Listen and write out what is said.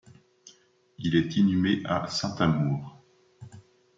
Il est inhumé à Saint-Amour.